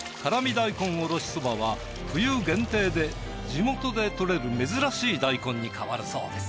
大根おろしそばは冬限定で地元で採れる珍しい大根に変わるそうです。